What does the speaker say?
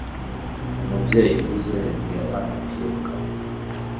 Umubyeyi uhuze yabwiye abana kwiruka.